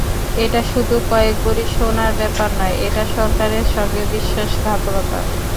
এটা শুধু কয়েক ভরি সোনার ব্যাপার নয়, এটা সরকারের সঙ্গে বিশ্বাসঘাতকতা।